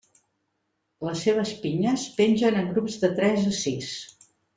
Les seves pinyes pengen en grups de tres a sis.